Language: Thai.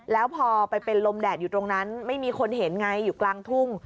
แล้วพอไปเป็นลมแดดอยู่ตรงนั้นไม่มีคนเห็นไงอยู่กลางทุ่ง